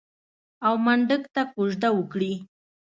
او منډک ته کوژده وکړي.